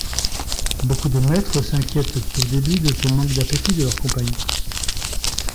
Beaucoup de maitres s'inquiètent au début de ce manque d'appétit de leur compagnon.